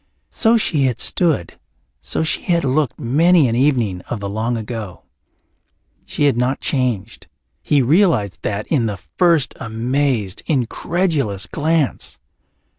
So she had stood, so she had looked many an evening of the long ago. She had not changed; he realized that in the first amazed, incredulous glance.